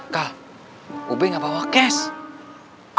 kel ube nggak bawa cash